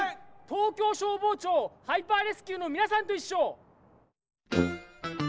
東京消防庁ハイパーレスキューのみなさんといっしょ。